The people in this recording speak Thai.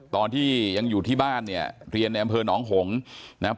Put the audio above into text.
ตอนที่ยังอยู่ที่บ้านเนี่ยเรียนในอำเภอหนองหงษ์นะครับ